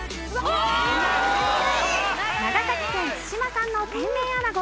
長崎県対馬産の天然あなご。